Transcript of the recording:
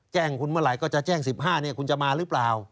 แจ้งคุณเมื่อไหร่ก็จะแจ้ง๑๕คุณจะมาหรือเปล่า